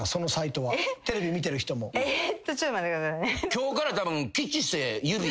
今日からたぶん。